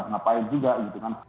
kenapa juga gitu kan